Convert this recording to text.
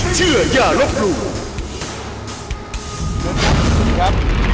เชิญครับสวัสดีครับ